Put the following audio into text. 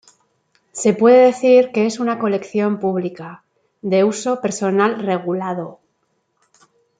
Se puede decir que es una colección pública, de uso personal regulado.